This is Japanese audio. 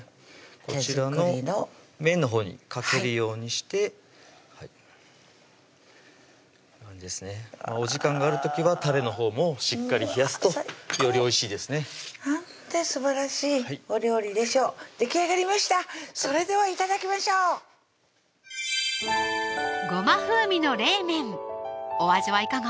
こちらの麺のほうにかけるようにしてこんな感じですねお時間がある時はたれのほうもしっかり冷やすとよりおいしいですねなんてすばらしいお料理でしょうできあがりましたそれでは頂きましょううん！